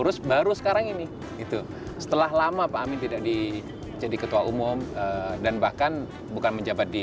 terus baru sekarang ini itu setelah lama pak amin tidak di jadi ketua umum dan bahkan bukan menjabat di